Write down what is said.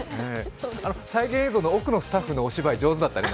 再現映像が、奥のスタッフのお芝居よかったんで。